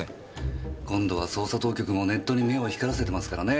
今度は捜査当局もネットに目を光らせてますからね。